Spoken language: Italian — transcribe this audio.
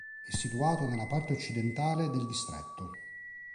È situato nella parte occidentale del distretto.